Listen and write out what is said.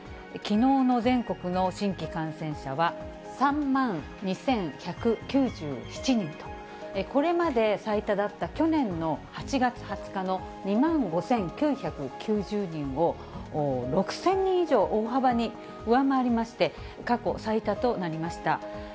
きのうの全国の新規感染者は、３万２１９７人と、これまで最多だった去年の８月２０日の２万５９９０人を６０００人以上、大幅に上回りまして、過去最多となりました。